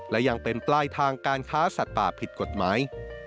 และยังเป็นปลายทางการค้าสัตว์ป่าผิดกฎหมาย